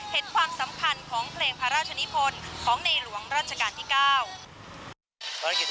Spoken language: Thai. ความสำคัญของเพลงพระราชนิพลของในหลวงรัชกาลที่เก้า